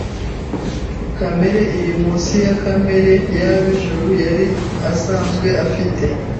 kamere iri munsi ya kamere y’ab’ijuru yari asanzwe afite.